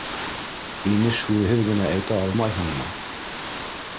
- Инеш һүҙһеҙ генә әйтә алмайһыңмы?